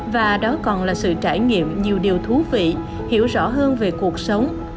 và đó còn là sự trải nghiệm nhiều điều thú vị hiểu rõ hơn về cuộc sống